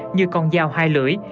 như con dao hai lưỡi